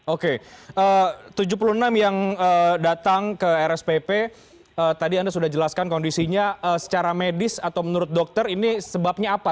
oke tujuh puluh enam yang datang ke rspp tadi anda sudah jelaskan kondisinya secara medis atau menurut dokter ini sebabnya apa